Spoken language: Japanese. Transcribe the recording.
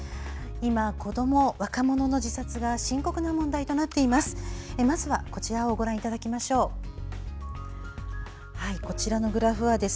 今、子ども・若者の自殺が深刻な問題となっています。